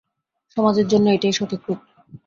সমাজের জন্য এটাই সঠিক রূপ।